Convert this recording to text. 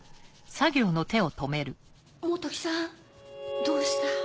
本木さんどうした？